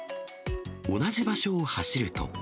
同じ場所を走ると。